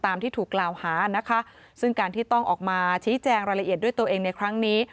ที่ถูกกล่าวหานะคะซึ่งการที่ต้องออกมาชี้แจงรายละเอียดด้วยตัวเองในครั้งนี้